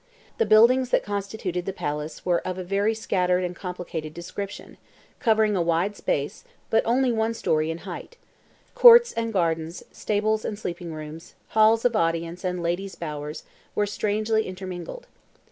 The buildings that constituted the palace were of a very scattered and complicated description, covering a wide space, but only one storey in height: courts and gardens, stables and sleeping rooms, halls of audience and ladies' bowers, were strangely intermingled.